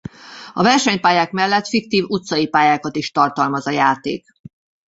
A versenypályák mellett fiktív utcai pályákat is tartalmaz a játék.